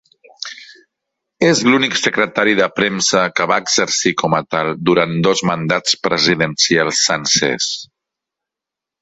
És l'únic secretari de premsa que va exercir com a tal durant dos mandats presidencials sencers.